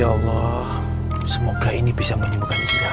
ya allah semoga ini bisa menyembuhkan istri hamba ya allah